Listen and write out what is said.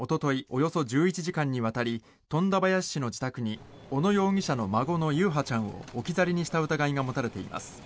およそ１１時間にわたり富田林市の自宅に小野容疑者の孫の優陽ちゃんを置き去りにした疑いが持たれています。